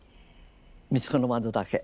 「光子の窓」だけ。